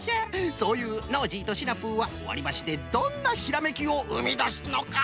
そういうノージーとシナプーはわりばしでどんなひらめきをうみだすのか。